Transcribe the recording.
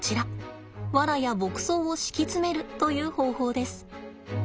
ワラや牧草を敷き詰めるという方法です。